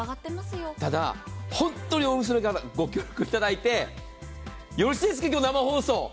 ただ、本当にお店の方にご協力いただいて、よろしいですか、生放送。